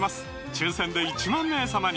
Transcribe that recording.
抽選で１万名様に！